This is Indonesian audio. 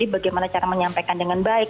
bagaimana cara menyampaikan dengan baik